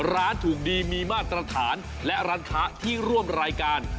ร้านถูกดีมีมาตรฐานและร้านค้าที่ร่วมรายการ